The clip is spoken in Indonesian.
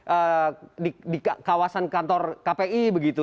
eee di kawasan kantor kpi begitu